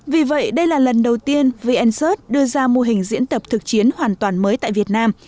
vì vậy đây là lần đầu tiên vncert đưa ra mô hình diễn tập thực chiến hoàn toàn mới tại việt nam